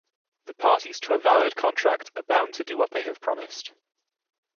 The parties to a valid contract are bound to do what they have promised.